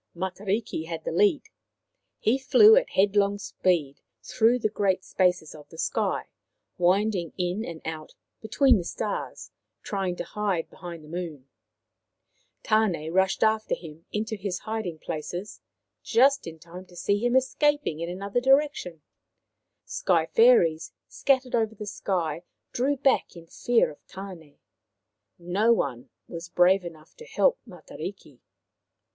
Matariki had the lead. He flew at headlong speed through the great spaces of the sky, winding in and out between the stars, trying to hide be hind the moon. Tane rushed after him into his hiding places, just in time to see him escaping in another direction. Sky fairies scattered over the sky drew back in fear of Tan6. No one was brave enough to help Matariki.